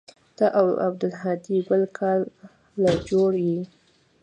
ته او عبدالهادي بل كار له جوړ يې.